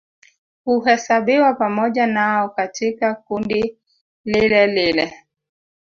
Huhesabiwa pamoja nao katika kundi lilelile